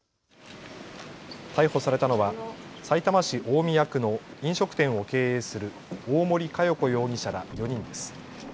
逮捕されたのはさいたま市大宮区の飲食店を経営する大森加代子容疑者ら４人です。